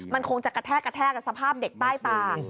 มันคงจะกระแทกกระแทกกับสภาพเด็กใต้ตา